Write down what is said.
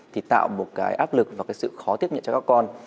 thì tạo một cái áp lực và cái sự khó tiếp nhận cho các con